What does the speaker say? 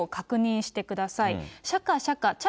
しゃかしゃか、ちゃ